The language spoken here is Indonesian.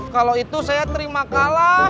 kalau itu saya terima kala